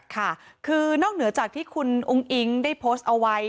ค่ะคือนอกเหนือจากที่คุณอุ้งอิ๊งได้โพสต์เอาไว้